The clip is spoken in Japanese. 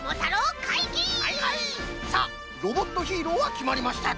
さあロボットヒーローはきまりました。